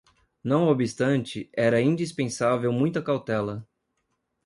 Não obstante, era indispensável muita cautela: